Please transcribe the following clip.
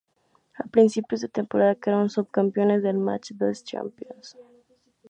A principios de temporada, quedaron subcampeones del Match des Champions.